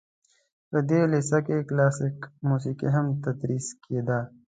په دې لیسه کې کلاسیکه موسیقي هم تدریس کیده.